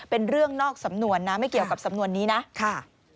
เป็นเรื่องนอกสำนวนนะไม่เกี่ยวกับสำนวนนี้นะค่ะ